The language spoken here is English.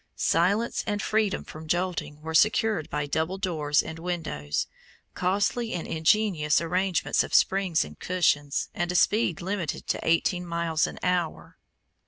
Silence and freedom from jolting were secured by double doors and windows, costly and ingenious arrangements of springs and cushions, and a speed limited to eighteen miles an hour.